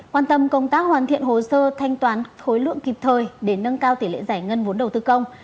quan tâm công tác hoàn thiện hồ sơ thanh toán khối lượng kịp thời để nâng cao tỷ lệ giải ngân vốn đầu tư công